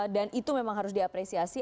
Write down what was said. dan itu memang harus diapresiasi